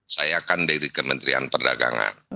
saya kan dari kementerian perdagangan